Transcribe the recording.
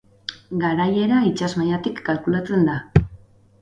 Garaiera itsas mailatik kalkulatzen da.